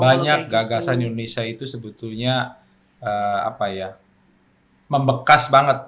banyak gagasan indonesia itu sebetulnya apa ya membekas banget